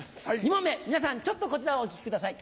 ２問目皆さんちょっとこちらをお聴きください。